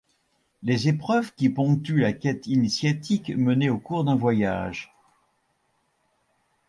Les épreuves qui ponctuent la quête initiatique menée au cours d'un voyage.